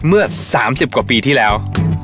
เมื่อ๓๐กว่าปีที่แล้ว